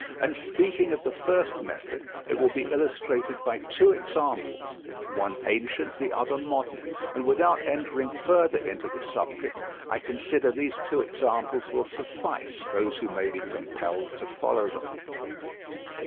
And speaking of the first method, it will be illustrated by two examples—one ancient, the other modern—and without entering further into the subject, I consider these two examples will suffice those who may be compelled to follow them.